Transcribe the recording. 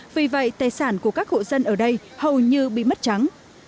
vì vậy tài sản của các hộ dân ở đây hầu như bị mất trắng